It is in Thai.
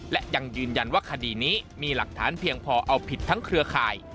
และยังยืนยันว่าคดีนี้มีหลักฐานเพียงพอเอาผิดทั้งเครือข่าย